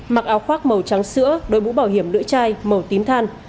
mặc áo khoác màu trắng sữa đôi bũ bảo hiểm lưỡi chai màu tím than